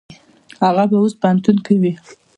هغه به اوس پوهنتون کې وي.